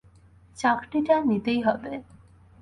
চাকরিটা নিতেই হবে।